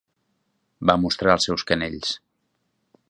Va mostrar els seus canells.